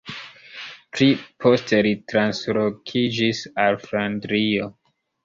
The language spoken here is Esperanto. Pli poste li translokiĝis al Flandrio.